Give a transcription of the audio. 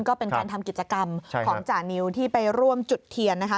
ก็เป็นการทำกิจกรรมของจานิวที่ไปร่วมจุดเทียนนะคะ